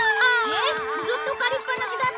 えっ！